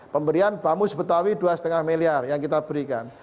pemberian bamu sebetulnya dua lima miliar yang kita berikan